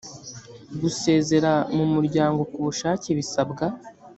gusezera mu muryango ku bushake bisabwa